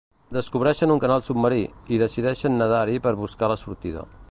Descobreixen un canal submarí, i decideixen nedar-hi per buscar la sortida.